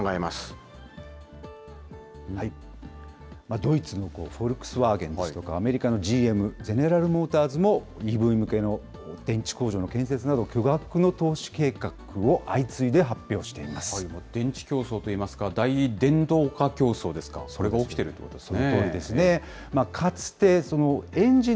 ドイツのフォルクスワーゲンですとか、アメリカのＧＭ・ゼネラル・モーターズも、ＥＶ向けの電池工場の建設など、巨額の投資計画を相次いで発表し電池競争といいますか、大電動化競争ですか、それが起きてるということですね。